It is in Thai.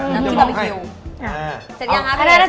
น้ำกิ่มตาบีคิว